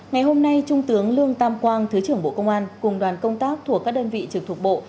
ngày hôm nay trung tướng lương tam quang thứ trưởng bộ công an cùng đoàn công tác thuộc các đơn vị trực thuộc bộ